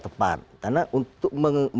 tepat karena untuk